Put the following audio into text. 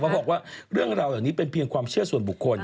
บอกว่าเรื่องราวเหล่านี้เป็นเพียงความเชื่อส่วนบุคคล